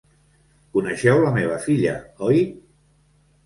Coneixeu la meva filla, oi?